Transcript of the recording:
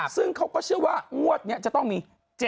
ซึ่งเขาก็เชื่อว่างวดนี้จะต้องมี๗๗